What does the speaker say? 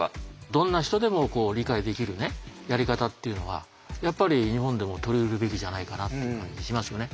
どんな人でも理解できるねやり方っていうのはやっぱり日本でも取り入れるべきじゃないかなっていう感じしますよね。